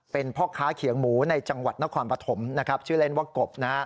เป็นพ่อค้าเขียงหมูในจังหวัดนครปฐมนะครับชื่อเล่นว่ากบ